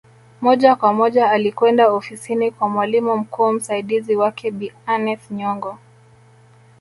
Moja kwa moja alikwenda ofisini kwa mwalimu mkuu msaidizi wake Bi Aneth Nyongo